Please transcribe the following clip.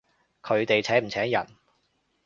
佢哋請唔請人？